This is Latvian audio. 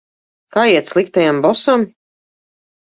Kā iet sliktajam bosam?